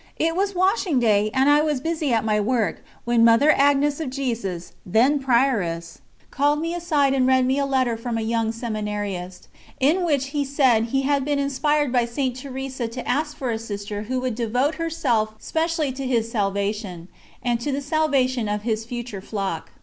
It was washing day, and I was busy at my work, when Mother Agnes of Jesus, then Prioress, called me aside and read me a letter from a young Seminarist, in which he said he had been inspired by St. Teresa to ask for a sister who would devote herself specially to his salvation, and to the salvation of his future flock.